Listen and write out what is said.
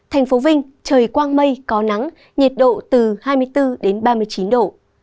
hồ chí minh trời quang mây có nắng nhiệt độ từ hai mươi bốn đến ba mươi chín độ